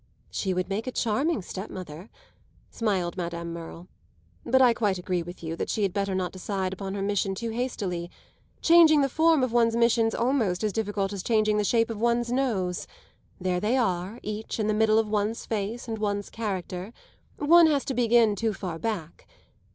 "She would make a charming stepmother," smiled Madame Merle; "but I quite agree with you that she had better not decide upon her mission too hastily. Changing the form of one's mission's almost as difficult as changing the shape of one's nose: there they are, each, in the middle of one's face and one's character one has to begin too far back.